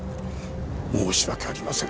申し訳ありません。